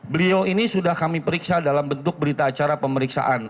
beliau ini sudah kami periksa dalam bentuk berita acara pemeriksaan